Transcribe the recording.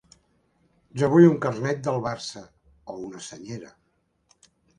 Jo vull un carnet del Barça o una senyera.